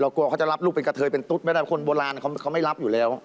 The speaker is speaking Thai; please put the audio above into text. กลัวเขาจะรับลูกเป็นกระเทยเป็นตุ๊ดไม่ได้คนโบราณเขาไม่รับอยู่แล้ว